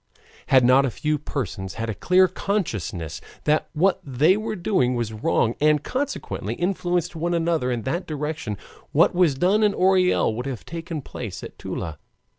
Had not a few persons had a clear consciousness that what they were doing was wrong, and consequently influenced one another in that direction, what was done at Orel would have taken place at Toula.